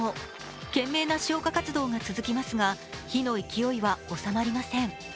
懸命な消火活動が続きますが火の勢いは収まりません。